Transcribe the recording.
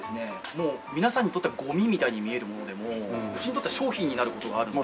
もう皆さんにとってはゴミみたいに見えるものでもうちにとっては商品になる事があるので。